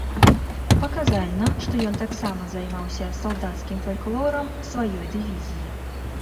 Паказальна, што ён таксама займаўся салдацкім фальклорам сваёй дывізіі.